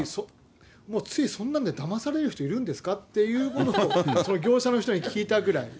もうついそんなでだまされる人いるんですかっていうことをその業者の人に聞いたぐらい。